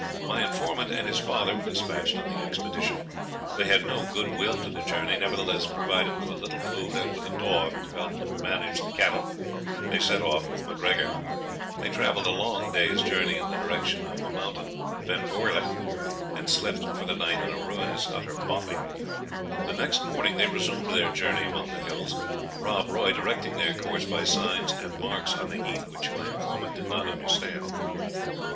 My informant and his father were despatched on the expedition. They had no good will to the journey; nevertheless, provided with a little food, and with a dog to help them to manage the cattle, they set off with MacGregor. They travelled a long day's journey in the direction of the mountain Benvoirlich, and slept for the night in a ruinous hut or bothy. The next morning they resumed their journey among the hills, Rob Roy directing their course by signs and marks on the heath which my informant did not understand.